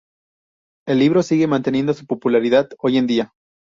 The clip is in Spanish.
El libro sigue manteniendo su popularidad hoy en día.